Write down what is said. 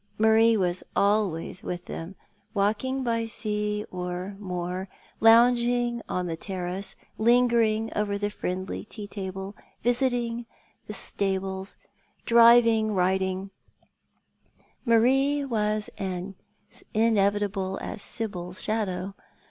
Marie was always with them, walking by sea or Dreaming and Waking. 89 moor, lounpring on the terrace, lingering oyer the friendly tea table, visiting the stables, driving, riding, Marie was as in evitable as Sibyl's shadow.